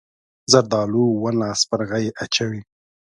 زردالو ونه سپرغۍ اچوي.